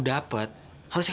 dasar kamu juga